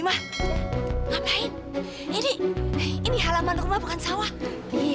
engga primero kita gak mau tadi